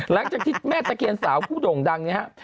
หลังจากที่แม่ตะเคียนสาวผู้โด่งดังนะครับ